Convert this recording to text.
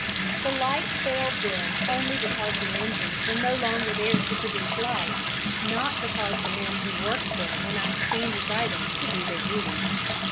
The light failed then only because the engines were no longer there to produce light, not because the men who worked them were not standing by them to do their duty.